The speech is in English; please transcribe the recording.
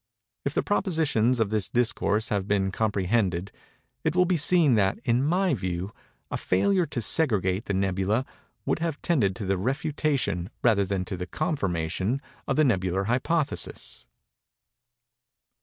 If the propositions of this Discourse have been comprehended, it will be seen that, in my view, a failure to segregate the "nebulæ" would have tended to the refutation, rather than to the confirmation, of the Nebular Hypothesis.